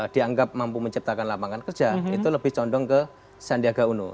dianggap mampu menciptakan lapangan kerja itu lebih condong ke sandiaga uno